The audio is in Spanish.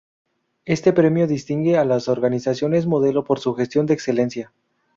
Este premio distingue a las organizaciones modelo por su gestión de excelencia.